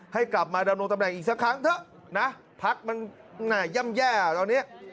ให้กลับมาดำรงตำแหน่งอีกสักครั้งเถอะนะพักมันย่ำแย่ตอนนี้